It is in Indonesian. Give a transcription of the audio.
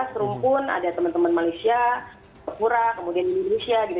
serumpun ada teman teman malaysia perpura kemudian indonesia gitu